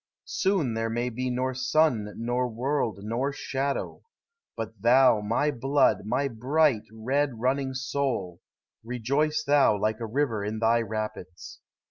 Soon there may be nor sun nor world nor shadow. But thou, my blood, my bright red running soul, Kejoice thou like a river in thy rapids.